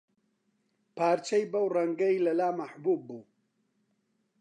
پارچەی بەو ڕەنگەی لەلا مەحبووب بوو